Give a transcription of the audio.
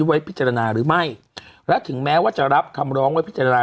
ไว้พิจารณาหรือไม่และถึงแม้ว่าจะรับคำร้องไว้พิจารณา